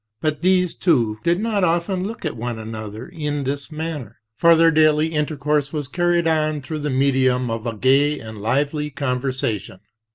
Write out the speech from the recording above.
But these two did not often look at one another in this manner, for their daily intercourse was carried on through the medium of a gay and lively conversation.